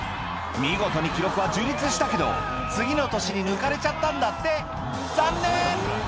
見事に記録は樹立したけど次の年に抜かれちゃったんだって残念！